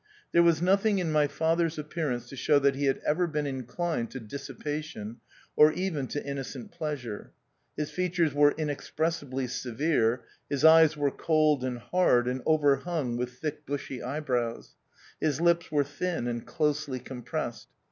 There was nothing in my father's appearance to show that he had ever been inclined to dissipation, or even to innocent pleasure. His features were inexpressibly severe ; his eyes were cold and hard, and overhung with thick, bushy eyebrows; his lips were thin and closely compressed.